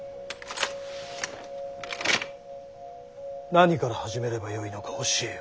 何から始めればよいのか教えよ。